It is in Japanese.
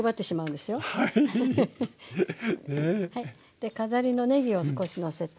で飾りのねぎを少しのせて。